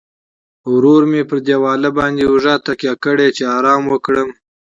ورو مې پر دیواله باندې اوږې تکیه کړې، چې ارام وکړم.